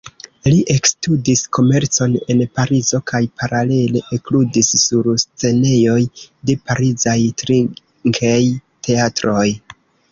Li ekstudis komercon en Parizo kaj, paralele, ekludis sur scenejoj de parizaj trinkej-teatroj.